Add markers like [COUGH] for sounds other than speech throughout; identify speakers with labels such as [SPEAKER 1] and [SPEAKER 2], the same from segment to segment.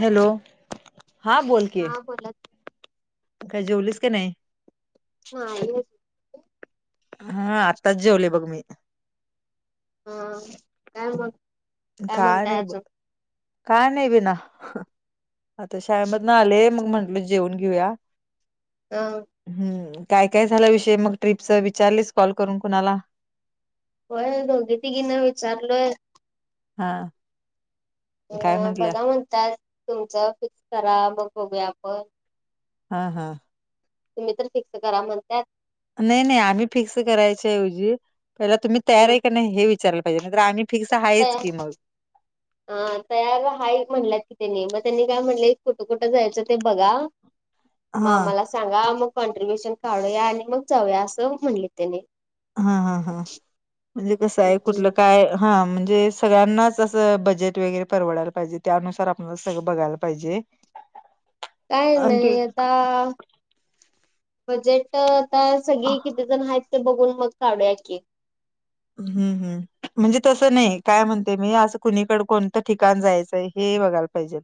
[SPEAKER 1] Hello, हा बोलक.
[SPEAKER 2] बोलात.
[SPEAKER 1] काय जेवलीस काय नाही?
[SPEAKER 2] नाही.
[SPEAKER 1] हा आत्ताच जेवले बघ मी.
[SPEAKER 2] हम काय मग?
[SPEAKER 1] काय
[SPEAKER 2] म्हणताय
[SPEAKER 1] नाही ब,
[SPEAKER 2] अजून
[SPEAKER 1] काय नाही बईणा. आता शाळेमध ने आले मग म्हंटल जेवन घेऊया.
[SPEAKER 2] हा.
[SPEAKER 1] हम्म काय काय झाल्या विषयी मग ट्रिपचा विचारलीस कॉल करून कुणाला.
[SPEAKER 2] होय दोघी तिघी ना विचारलोय.
[SPEAKER 1] हा. काय
[SPEAKER 2] अ
[SPEAKER 1] म्हंटल्या
[SPEAKER 2] बघा म्हणतात तुमचं फिक्स करा मग बघूया आपण.
[SPEAKER 1] हा हा.
[SPEAKER 2] तुम्ही तर फिक्स करा म्हणत्यात.
[SPEAKER 1] नाही नाही आम्ही फिक्स करायच्याऐवजी, पहिला तुम्ही तयार
[SPEAKER 2] अ
[SPEAKER 1] आहे का नाही हे विचारयला पाहिजे नाही तर आम्ही फिक्स आहेच की मग.
[SPEAKER 2] [INAUDIBLE] अ तयार हाय म्हणल्यात की त्यांनी मग त्यांनी काय म्हणले कुठं कुठं जायचं ते बघा. मग
[SPEAKER 1] हा
[SPEAKER 2] आमला सांगा मग कॉन्ट्ररीब्युशन काढूया आणि मग जाऊया असं म्हणले त्यांनी.
[SPEAKER 1] हा हा हा, म्हणजे कसं आहे कुठलं
[SPEAKER 2] हम्म
[SPEAKER 1] काय हा म्हणजे सगळ्यांनाच असं बजेट वगैरे परवडायला पाहिजे त्यानुसार आपण सगळं बघायला पाहिजे.
[SPEAKER 2] काय
[SPEAKER 1] आणि ते
[SPEAKER 2] नाही आता, बजेट ट आता सगळे किती जण आहेत ते बघून मग काढूया की.
[SPEAKER 1] हम्म हम्, म्हणजे तसं नाही काय म्हणते मी असं कुणीकड कोणतं ठिकाण जायचंय. हे बघायला पाहिजे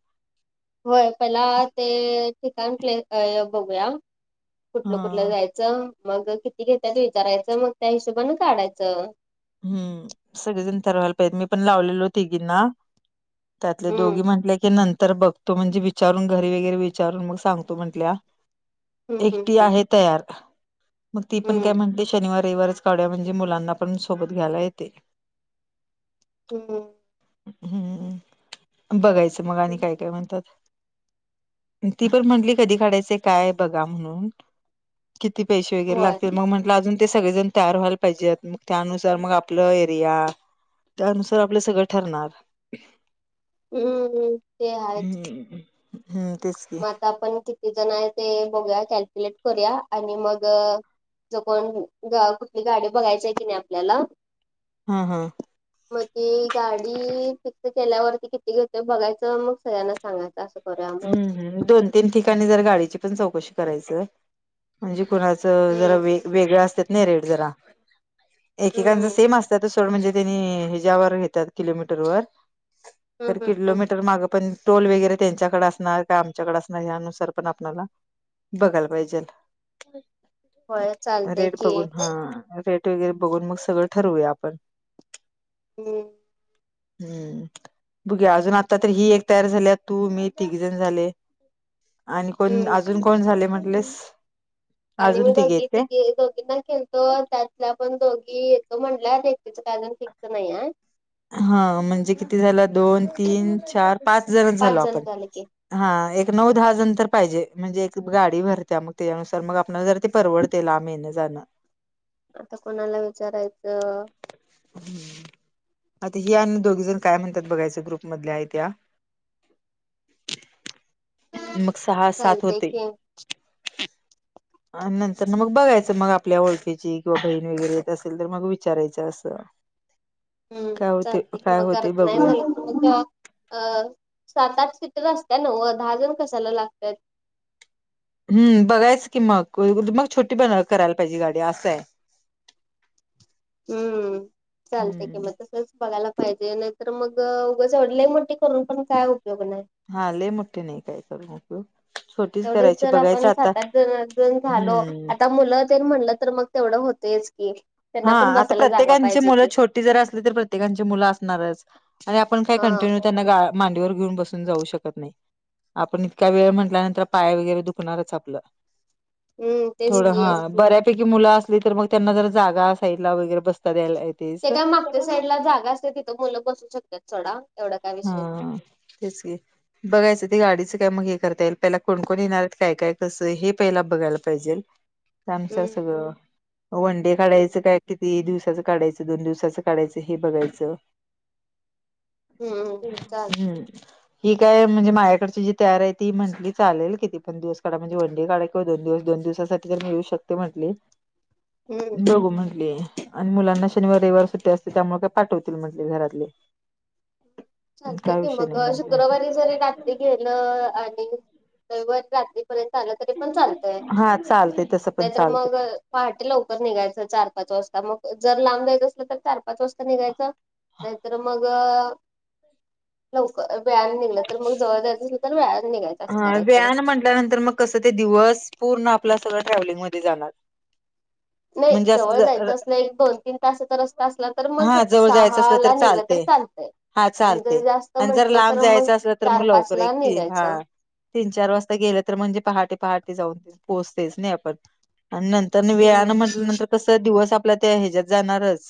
[SPEAKER 2] होय पहिला ते ठिकाण प्ले बघूया कुठलं कुठलं
[SPEAKER 1] हां,
[SPEAKER 2] जायचं मग किती घेतत विचारायचं मग त्या हिशोबने काढायचं
[SPEAKER 1] हम् सगळेजण तरवायला पाहिजे मी पण लावलेल होते गीना त्यातले
[SPEAKER 2] हम्म
[SPEAKER 1] दोघी म्हटले की नंतर बघ तो म्हणजे विचारून घरी वगैरे विचारून मग सांगतो म्हंटल्या
[SPEAKER 2] हम्म
[SPEAKER 1] एकटी
[SPEAKER 2] हम्म
[SPEAKER 1] आहेत त मग ती पण काय
[SPEAKER 2] हम्म
[SPEAKER 1] म्हण शनिव रवारवणजे मुलांना पण सोबत घ्यायला येते
[SPEAKER 2] हो
[SPEAKER 1] हम्म बघायचं मग आणि काय काय म्हणतात ती पण म्हंली कधी काढायचं काय बघा म्हणून किती पैसे वगैरे
[SPEAKER 2] होय.
[SPEAKER 1] लागतील मग म्हटलं अजून ते सगळेजण तयार व्हायला पाहिजे मग त्यानुसार मग आपलं एरिया त्यानुसार आपलं सगळ ठरणार
[SPEAKER 2] हम्म ते आहेच. की.
[SPEAKER 1] हम्म हम्म तेच की
[SPEAKER 2] मग आता आपण किती जण आहे ते बघूया कॅल्क्युलेट करूया आणि मग ज कोण कुठली गाडी बघायचय की नाही आपल्याला
[SPEAKER 1] हा हा
[SPEAKER 2] मगज गाडी पिक्त केल्यावरती किती घेतो बघायचं मग सगळ्यांना सांगायचं असं कराम
[SPEAKER 1] हम्म दोन तीन ठिकाणी जर गाडीची पण चौकशी करायचं म्हणजे कुणाचं
[SPEAKER 2] हम्म
[SPEAKER 1] जरा वे वेगळ असत नाही रेट जरा एकेक
[SPEAKER 2] हम्म
[SPEAKER 1] सेम असत म्हण किोर
[SPEAKER 2] हम्म हम्म हम्म.
[SPEAKER 1] क माग पण टोल वगैरे त्यांच्या आमच्याकणारुार पण आप बघाला पाहिजे
[SPEAKER 2] होय चालतय
[SPEAKER 1] रेड
[SPEAKER 2] की
[SPEAKER 1] बघून हा रेड वगैरे बघून मग सगळं ठरवूया आपण
[SPEAKER 2] हम्म
[SPEAKER 1] हम्म बघया अजून आता तर ही एक तयार झाली तू मी िक जण झाले आणि कोण
[SPEAKER 2] हम्म
[SPEAKER 1] अजून कोण झाले म्हटलेस
[SPEAKER 2] आणि
[SPEAKER 1] अजून
[SPEAKER 2] मी
[SPEAKER 1] तिघे
[SPEAKER 2] दोघी
[SPEAKER 1] आहेत काय
[SPEAKER 2] तिके दोघी ना केे त त्यातला पण दोघी येतो म्हंटल्याचं कारण िकत नाही
[SPEAKER 1] हा म्हणजे किती झाला दोन तीन चार पाच जण झालो
[SPEAKER 2] पाच
[SPEAKER 1] आपण
[SPEAKER 2] झाले की
[SPEAKER 1] हा एक नऊ दहा जनंतर पाहिजे म्हणजे एक गाडी भरत्या मग त्याच्यानुसार मग आपण जर ते परवडत ते लामेने जाणं
[SPEAKER 2] आता कोणाला विचारायचं
[SPEAKER 1] हम्म आता ही अ दोघी जण काय म्हणतात बघायच ग्रुप मधल्या आहेत त्या मग सहा सात
[SPEAKER 2] चालतय
[SPEAKER 1] होते
[SPEAKER 2] की
[SPEAKER 1] नंतर ना मग बघायचं मग आपल्या ओळखीची किंवा बहीण वगैरे येत असेल तर मग विचारायचं असं
[SPEAKER 2] हम्म
[SPEAKER 1] काय होते
[SPEAKER 2] चालते कि
[SPEAKER 1] काय
[SPEAKER 2] मग
[SPEAKER 1] होते
[SPEAKER 2] गरज नाही
[SPEAKER 1] बघूया
[SPEAKER 2] म्ह अ अ सात आठ सीटर असत्या न दहा जण कसाला लागतात
[SPEAKER 1] हम् बघायचं की मग मग छोटी ब करायला पाहिजे गाडी असं आहे
[SPEAKER 2] हम्म चालतय कि म
[SPEAKER 1] हम्म
[SPEAKER 2] तसच बघायला पाहिजे नाहीतर मग उगवडलं मोठे करून पण काय उपयोग नाही
[SPEAKER 1] हा ले मोठे नाही काय करू
[SPEAKER 2] तेवढेच जर आपण सात आठ जण जण झालो
[SPEAKER 1] हम्म
[SPEAKER 2] आता मुलं ते म्हणलं तर मग तेवढं होतयच की
[SPEAKER 1] हा
[SPEAKER 2] त्यांना पण
[SPEAKER 1] आता
[SPEAKER 2] बसायला जागा
[SPEAKER 1] प्रत्येकांची
[SPEAKER 2] पाहिजे
[SPEAKER 1] मुलं
[SPEAKER 2] की
[SPEAKER 1] छोटी जरा असली तर प्रत्येकांची मुलं असणारच आणि आपण काय
[SPEAKER 2] हा
[SPEAKER 1] कंटिन्यू त्यांना मांडीवर घेऊन बसून जाऊ शकत नाही आपण इतका वेळ म्हटल्यानंतर पाया वगैरे दुखणारच आपलं
[SPEAKER 2] हम्म तेच
[SPEAKER 1] थोडं
[SPEAKER 2] की
[SPEAKER 1] हा बऱ्यापैकी मुलं असली तर मग त्यांना जर जागा असायला वगैरे बसता द्यायला येतेच
[SPEAKER 2] ते काय मागच्या साईड ला जागा असते तिथं मुलं बसू शकतात चढा
[SPEAKER 1] हा तेसगे बघायचं ते गाडीचं काय मग हे करता येईल पहिला कोणकण येणार काय काय कसं हे पहिला बघायला पाहिजे त्यांनचा
[SPEAKER 2] हम्म
[SPEAKER 1] सगळ वन डे
[SPEAKER 2] हम्म
[SPEAKER 1] काढायचं काय किती दिवसाचं काढायचं दोन दिवसाचं काढायचं हे बघायचं
[SPEAKER 2] हम्म चाल
[SPEAKER 1] हम्म ही काय म्हणजे माझ्याकडची जी तयार आहे ती म्हंटली चालेल किती पण दिवस काढा म्हणजे व डे काढेल दोन दिवस दोन दिवसासाठी तर मी येऊ शकते म्हटली
[SPEAKER 2] [UNINTELLIGIBLE]
[SPEAKER 1] दघू म्हटले आणि मुलांना शनिवार रविवार सुट्टे असते त्यामुळे काय पाठवतील म्हटले घरातले
[SPEAKER 2] चालत
[SPEAKER 1] काय
[SPEAKER 2] की
[SPEAKER 1] विषय
[SPEAKER 2] मग
[SPEAKER 1] नाही म्हटले
[SPEAKER 2] शुक्रवारी जरी रात्री गेलं आणि रविवारी रात्री नय चालते तरी पण चालतय
[SPEAKER 1] हा चालते तसं पण
[SPEAKER 2] नाहीतर मग
[SPEAKER 1] चालते
[SPEAKER 2] पहाटे लवकर निघायचं चार पाच वाजता मग जर लांब जायच असलं तर चार पाच वाजता निघायचं नय तर मग लवकर व्यान निघलं तर मग जवळ दर तर व्यान निघायचं असं करायचं
[SPEAKER 1] नंतर मग कसं ते दिवस पूर्ण आप सगळं ट्रॅव्हलिंग मध्ये जाणार
[SPEAKER 2] [UNINTELLIGIBLE] नय
[SPEAKER 1] म्हणजे असं
[SPEAKER 2] जवळ
[SPEAKER 1] ज
[SPEAKER 2] जायचं असलं एक दोन तीन तासाचा रस्ता असला तर मग
[SPEAKER 1] हा जवळ जायचं
[SPEAKER 2] सहा
[SPEAKER 1] असलं तर
[SPEAKER 2] ला निघलं तरी
[SPEAKER 1] चालतय
[SPEAKER 2] चालतंय
[SPEAKER 1] हा
[SPEAKER 2] आणि जर
[SPEAKER 1] चालते
[SPEAKER 2] जास्त
[SPEAKER 1] आणि जर
[SPEAKER 2] म्हंटलं
[SPEAKER 1] लांब
[SPEAKER 2] तर मग
[SPEAKER 1] जायचं असलं तर मग
[SPEAKER 2] चार पाच
[SPEAKER 1] लवकर
[SPEAKER 2] ला
[SPEAKER 1] एकती हा
[SPEAKER 2] निघायचं.
[SPEAKER 1] तीन चार वाजता गेले तर म्हणजे पहाटे पहाटे जाऊन पोहोचतेच नाही आपण नंतर
[SPEAKER 2] हम्म
[SPEAKER 1] वेळाानं म्हटल्या नंतर कस दिवस आपल्या त्या ह्याच्या्यात जाणारच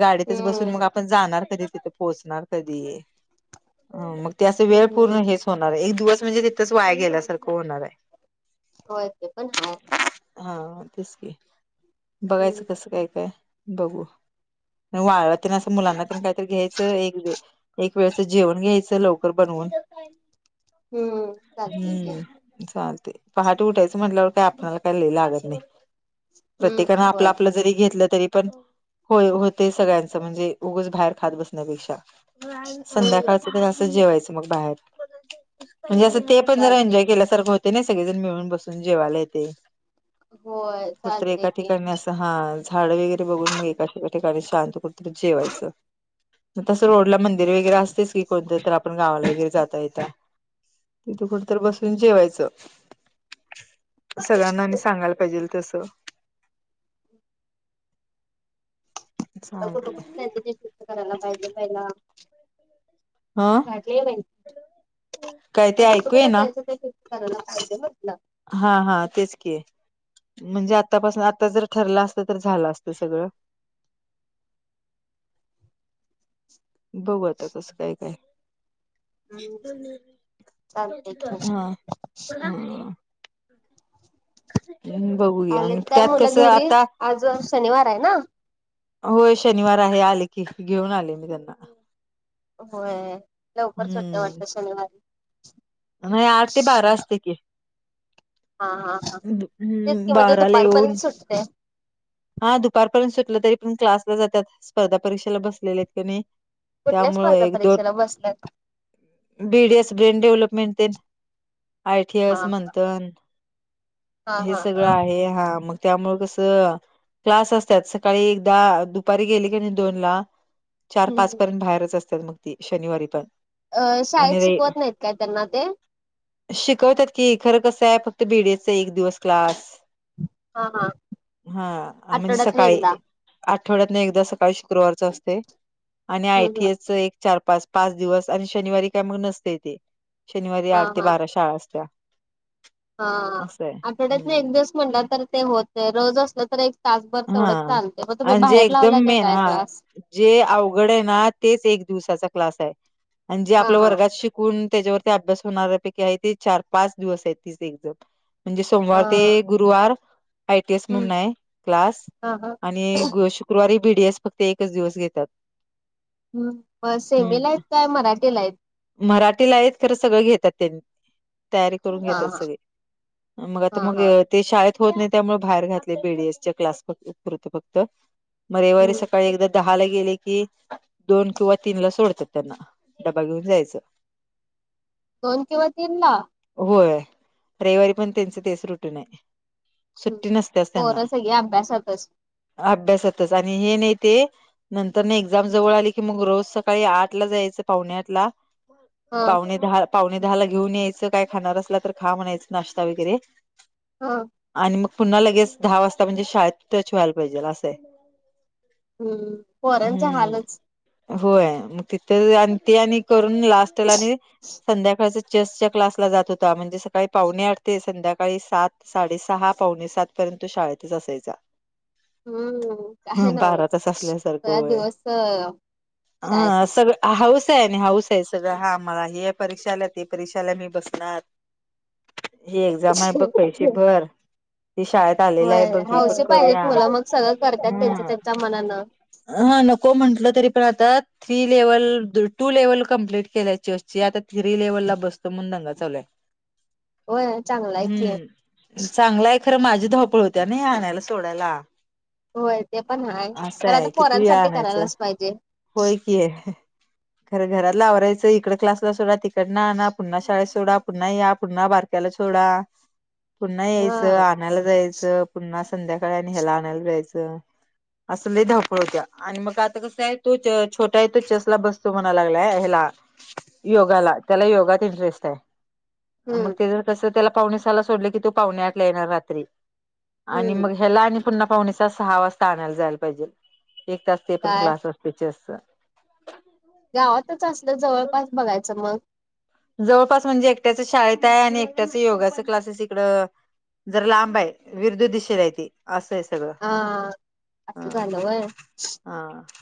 [SPEAKER 1] गाडीतच बसून
[SPEAKER 2] हम्म
[SPEAKER 1] मग आपण जाणार कधी तिथे पोहोचणार कधी मग त्यास वेळ
[SPEAKER 2] हम्म
[SPEAKER 1] पूर्ण हेच होणार आहे एक दिवस म्हणजे तिथंच वाया गेल्यासारखं होणार आहे
[SPEAKER 2] होय ते पण हाय
[SPEAKER 1] हा तेस की
[SPEAKER 2] हम्म
[SPEAKER 1] बघायचं कसं काय काय बघू वाळल तर अस मुलांना काहीतरी घ्यायचं एक वेळ वेळचं जेवण घ्यायचं लोक कर बनवुन
[SPEAKER 2] हम्म चालतंय की
[SPEAKER 1] हम्म चालते पहाटे उठायचं म्हटल्यावर काय आपल्याला काय लिय लागत नाही
[SPEAKER 2] हम्म
[SPEAKER 1] प्रत्येकान आपलं
[SPEAKER 2] होय
[SPEAKER 1] आपलं घरी घेतल तरी पण होय होते सगळ्यांच म्हणजेच उगाच बाहेर खात बसण्यापेक्षा
[SPEAKER 2] हम्म
[SPEAKER 1] संध्याकाळच तर असं जेवायचं मग बाहेर म्हणजे असं
[SPEAKER 2] हम्म
[SPEAKER 1] ते पण जरा
[SPEAKER 2] चालतंय
[SPEAKER 1] एन्जॉय केल्यासारख होते ना सगळेजण मिळून बसून जेवाला येते
[SPEAKER 2] होय
[SPEAKER 1] कुठे तरि
[SPEAKER 2] चालते
[SPEAKER 1] एका
[SPEAKER 2] की
[SPEAKER 1] ठिकाणी असेल तर हा झाड वगैरे बघून मग एका ठिकाणी शांत ब जेवायचं तसं
[SPEAKER 2] हम्म
[SPEAKER 1] रोडला मंदिर वगैरे असतेच की कोणतं आपण गावाला वगैरे जाता येता तिथे कुठं तर बसून जेवायचं
[SPEAKER 2] [UNINTELLIGIBLE]
[SPEAKER 1] सरांना आणि सांगायला पाहिजेल तसं
[SPEAKER 2] आता कुठं कुठं
[SPEAKER 1] चालतंय
[SPEAKER 2] जायचं ते शिकत करायला पाहिजे पहिला
[SPEAKER 1] हा
[SPEAKER 2] झाळले ग बाई
[SPEAKER 1] काय ते
[SPEAKER 2] आता कुठ
[SPEAKER 1] ऐकू ये
[SPEAKER 2] कुठं
[SPEAKER 1] ना
[SPEAKER 2] जायचं ते कारण फायदे होतला
[SPEAKER 1] हा हा तेच के म्हणजे आतापासून आता जर ठरला असत तर झालं असतं सगळं बघू आता कसं काय काय
[SPEAKER 2] हम्म
[SPEAKER 1] हा
[SPEAKER 2] चालतंय की
[SPEAKER 1] मंमा हा बघू या आणि
[SPEAKER 2] आलेत काय
[SPEAKER 1] त्यात
[SPEAKER 2] मुलं
[SPEAKER 1] कसं
[SPEAKER 2] घरी
[SPEAKER 1] आता
[SPEAKER 2] आज शनिवार आहे ना
[SPEAKER 1] होय शनिवार आहे आले की घेऊन आले मी त्यांना
[SPEAKER 2] होय लवकर सुटते
[SPEAKER 1] हम्म
[SPEAKER 2] वाटत शनिवारी
[SPEAKER 1] नाही आठ ते बारा असते की
[SPEAKER 2] हा हा हा तेच
[SPEAKER 1] हम्
[SPEAKER 2] की म्हणजे
[SPEAKER 1] बाराला येऊन.
[SPEAKER 2] दुपारपर्यंत सुटते
[SPEAKER 1] हा दुपारपर्यंत सुटलं तरी पर्ंत क्लासला जातात स्पर्धा परीक्षेला बसलेल्या आहेत किवा नाही
[SPEAKER 2] कुठल्या स्पर्धा परीक्षेला बसल्यात.
[SPEAKER 1] बीडीएस ब्रेन डेव्हलपमेंट दे
[SPEAKER 2] हा
[SPEAKER 1] आयटीएस म्हंथन
[SPEAKER 2] हा
[SPEAKER 1] हे
[SPEAKER 2] हा
[SPEAKER 1] सगळं
[SPEAKER 2] हा
[SPEAKER 1] आहे हा मग त्यामुळे कसं क्लास असतात सकाळी एकदा दुपारी गेली की नाही दोन ला- चार
[SPEAKER 2] हम्म
[SPEAKER 1] पाच
[SPEAKER 2] हम्म.
[SPEAKER 1] पर्यंत बाहेरच असतात मग ती शनिवारी पण,
[SPEAKER 2] अ
[SPEAKER 1] आणि
[SPEAKER 2] शाळेत
[SPEAKER 1] रे
[SPEAKER 2] शिकवत नाहीत काय त्यांना ते,
[SPEAKER 1] शिकवतात की खरं कसं आहे, फक्त बीडीएसचा एक दिवस क्लास
[SPEAKER 2] हा हा
[SPEAKER 1] हा म्हणजे
[SPEAKER 2] आठवड्यातनं
[SPEAKER 1] सकाळी.
[SPEAKER 2] एकदा
[SPEAKER 1] आठवड्यातन एकदा सकाळी शुक्रवारच असते आणि
[SPEAKER 2] हम्म हम्म
[SPEAKER 1] आयटीएच एक चार पाच पाच दिवस आणि शनिवारी काय मग नसते ते. शनिवारी
[SPEAKER 2] हा
[SPEAKER 1] आठ ते
[SPEAKER 2] हा
[SPEAKER 1] बारा शाळा असत्या.
[SPEAKER 2] हा
[SPEAKER 1] असं आहे
[SPEAKER 2] आठवड्यात न एक
[SPEAKER 1] हम्म
[SPEAKER 2] दिवस म्हणटलं तर ते होत रोज असलं तर एक तासभर तेवढंच
[SPEAKER 1] हा
[SPEAKER 2] चालते मग, तुम्ही
[SPEAKER 1] आणि जे
[SPEAKER 2] बाहेर
[SPEAKER 1] एकदम
[SPEAKER 2] लावलाय
[SPEAKER 1] मेन
[SPEAKER 2] काय
[SPEAKER 1] हा
[SPEAKER 2] क्लास.
[SPEAKER 1] जे अवघड आहे ना तेच एक दिवसाचा क्लास आहे आणि जे
[SPEAKER 2] हा
[SPEAKER 1] आपल्या
[SPEAKER 2] हा
[SPEAKER 1] वर्गात शिक ण त्याच्यावरती अभ्यास होणारऱ्यापैकी आहे ते चार पाच दिवस आहेत तीच एझम म्हणजे सोमवार ते
[SPEAKER 2] हा
[SPEAKER 1] गुरुवार आयटीएस म्हणून
[SPEAKER 2] हम्म
[SPEAKER 1] आहे. क्लास
[SPEAKER 2] हा हा
[SPEAKER 1] आणि शुक्रवारी बीडीएस फक्त एकच दिवस घेतात
[SPEAKER 2] हम् ब सेमीला आहेत काय मराठीला आहेत.
[SPEAKER 1] मराठी ला आहेत खरं सगळं घेतात त्यांनी तयारी करून
[SPEAKER 2] हा
[SPEAKER 1] घेतात
[SPEAKER 2] हा
[SPEAKER 1] सगळे. मग आता
[SPEAKER 2] हा
[SPEAKER 1] मग
[SPEAKER 2] हा
[SPEAKER 1] ते शाळेत होत नाही त्यामुळे बाहेर घातले बी डी एस क्लास पुरतो फक्त म रविवारी
[SPEAKER 2] हम्म
[SPEAKER 1] सकाळी एकदा दहा ला गेले की, दोन किंवा तीन ला सोडतात त्यांना डबा घेऊन जायचं.
[SPEAKER 2] दोन किंवा तीन ला
[SPEAKER 1] होय रविवारी पण त्यांचे तेच रुटीन हे
[SPEAKER 2] हम्म
[SPEAKER 1] सुट्टी नसतेस त्यांना
[SPEAKER 2] [UNINTELLIGIBLE]
[SPEAKER 1] अभ्यासातच आणि हे नाही ते, नंतर ना एक्झाम जवळ आली की मग रोज सकाळी आठ ला जायचं पावणे आठ ला
[SPEAKER 2] हा
[SPEAKER 1] पावणे दहा पावणे दहाला घेऊन यायचं काय खाणार असला तर खा म्हणायचं नाश्ता वगैरे,
[SPEAKER 2] हा
[SPEAKER 1] आणि मग पुन्हा लगेच दहा वाजता म्हणजे शाळेतच व्हायला पाहिजे असं आहे.
[SPEAKER 2] हम्म पोरांच
[SPEAKER 1] हम्म
[SPEAKER 2] हालच.
[SPEAKER 1] होय मग तिथ आणि ते आणि करून लास्टला आणि संध्याकाळच. चेस च्या क्लास ला जात होता. म्हणजे सकाळी पावणे आठ ते संध्याकाळी सात. साडेसहा पावणेसात पर्यंत शाळेतच असायचा.
[SPEAKER 2] हम्म काय
[SPEAKER 1] बारा
[SPEAKER 2] नवच
[SPEAKER 1] तास
[SPEAKER 2] पूर्ण दिवस तर,
[SPEAKER 1] ह सग हाऊस आहे आणि हाऊस आहे सगळं हा मला हे परीक्षाला त परीक्षाला मी बसनार. ही एक्झाम आहे बघपैसे भर हे शाळेत आलेली आहे. बघ हे
[SPEAKER 2] हौस
[SPEAKER 1] पण
[SPEAKER 2] पाहिजे
[SPEAKER 1] करूया
[SPEAKER 2] पोर मग सगळ करतात त्यांच
[SPEAKER 1] हम्म
[SPEAKER 2] त्यांच्या मनान.
[SPEAKER 1] हा नको म्हंटलं तरी पण आताात. Three level two level complete केल्यायची असते आता थ्री लेव्हल ला बसतो म्हणून दंगा चालय.
[SPEAKER 2] होय चांगला आहे की
[SPEAKER 1] हम्म चांगला आहे खरं माझे धवपळ होत. त्यां नाही आणायला सोडायला.
[SPEAKER 2] होय ते पण आहे
[SPEAKER 1] असं
[SPEAKER 2] पण आता
[SPEAKER 1] आहे किती वेळा
[SPEAKER 2] पोरांसाठी
[SPEAKER 1] आणायचं
[SPEAKER 2] करायलाच पाहिजे.
[SPEAKER 1] [UNINTELLIGIBLE] खर घरातले आवारायच इकडे क्लास सोडा तिकडनं आणा पुन्हा शाळेत सोडा पुन्हा या पुन्हा बार [UNINTELLIGIBLE] सोडा. पुन्हा
[SPEAKER 2] हा
[SPEAKER 1] यायचं आणायला जायच. पुन्हा संध्याकाळी याला आणायला जायच. अस लय धवपळ होत्या आणि मग आता कसा आहे तो छोटा आहे तो चेस ला बसतो म्हणा लागलाय याला योगाला त्याला योगात इंटरेस्ट आहे.
[SPEAKER 2] हम्म
[SPEAKER 1] मग ते जर कस त्याला पावणेसाला सोडलं की तू पाहूणे आठला येणार रात्री आणि
[SPEAKER 2] हम्म
[SPEAKER 1] मग ह्याला आणि पुन्हा पाहुणेचा सहा वाजता आणायला जायला पाहिजे एक तास ते पर्ण
[SPEAKER 2] काय
[SPEAKER 1] क्लास पिक्चर्स
[SPEAKER 2] गावातच असलं जवळपास बघायचं मग.
[SPEAKER 1] जवळपास म्हणजे एकट्याच शाळेत आहे आणि एकट्याच योगाच क्लासेस इकडं. जर लांब आहे विरदु दिशेला आहे ते. अस आहे सगळ
[SPEAKER 2] हा असं
[SPEAKER 1] हा
[SPEAKER 2] झालं व्हय
[SPEAKER 1] हा‌.